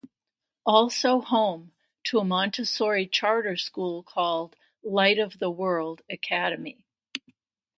Also home to a Montessori Charter school called Light of the World Academy.